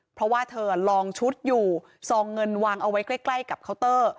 เพราะว่าเธอลองชุดอยู่ซองเงินวางเอาไว้ใกล้กับเคาน์เตอร์